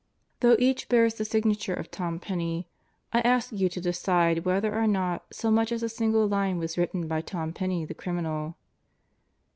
Though each bears the signature of Tom Penney, I ask you to decide whether or not so much as a single line was written by Tom Penney the criminal.